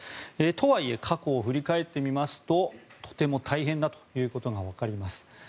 とはいえ過去を振り返ってみますととても大変だということが分かります。